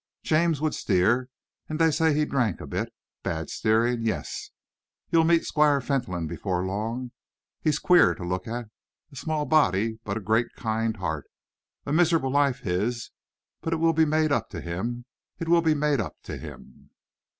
James would steer, and they say that he drank a bit. Bad steering! Yes, you'll meet Squire Fentolin before long. He's queer to look at a small body but a great, kind heart. A miserable life, his, but it will be made up to him. It will be made up to him!"